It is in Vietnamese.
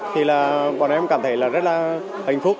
thì là bọn em cảm thấy là rất là hạnh phúc